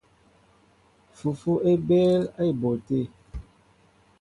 Fufu é ɓéél á éɓóʼ te.